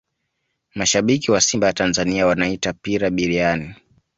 mashabiki wa simba ya tanzania wanaita pira biriani